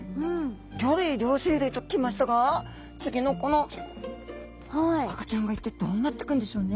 魚類両生類と来ましたが次のこの赤ちゃんは一体どうなってくるんでしょうかね？